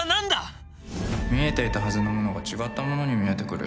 見えていたはずのものが違ったものに見えてくるよな